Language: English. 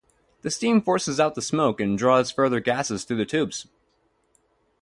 The steam forces out the smoke and draws further gases through the tubes.